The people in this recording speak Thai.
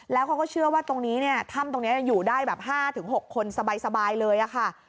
แล้วเขาก็เชื่อว่าตรงนี้เนี่ยถ้ำตรงนี้อยู่ได้แบบ๕๖คนสบายเลยค่ะ